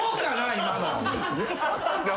今の。